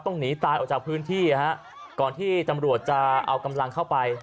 หนีตายออกจากพื้นที่ฮะก่อนที่ตำรวจจะเอากำลังเข้าไป